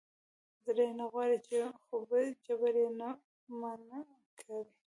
زړه یې نه غواړي خو په جبر یې منع نه کړي.